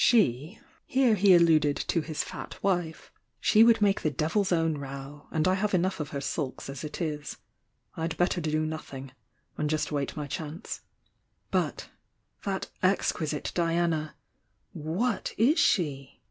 "She"— here he alluded to his fat wife— "she would make the devU's own row, and I have enough of her sulks as it is. I'd better do nothing,— and just wait my chance. But— that exquisite Diana! What is she?